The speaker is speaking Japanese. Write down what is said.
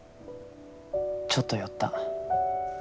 ちょっと酔った。